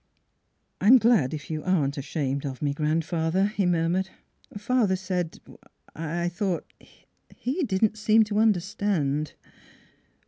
" I I'm glad if you aren't ashamed of me, grandfather," he murmured. " Father said I I thought he didn't seem to understand."